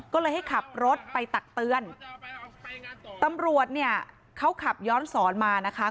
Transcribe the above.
ก็เลยให้ขับรถไปตักเตือนตำรวจเนี่ยเขาขับย้อนสอนมานะคะ